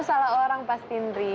lo salah orang pastiin dri